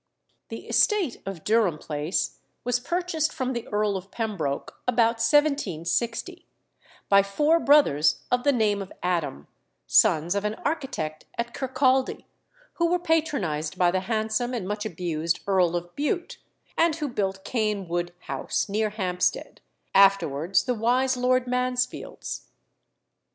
The estate of Durham Place was purchased from the Earl of Pembroke, about 1760, by four brothers of the name of Adam, sons of an architect at Kirkaldy, who were patronised by the handsome and much abused Earl of Bute, and who built Caen Wood House, near Hampstead, afterwards the wise Lord Mansfield's.